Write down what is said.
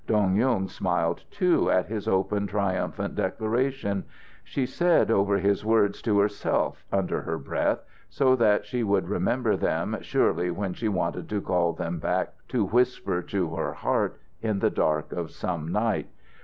Dong Yung smiled, too, at his open, triumphant declarations. She said over his words to herself, under her breath, so that she would remember them surely when she wanted to call them back to whisper to her heart in the dark of some night.